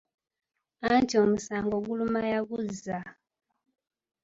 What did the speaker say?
Anti omusango guluma yaguzza!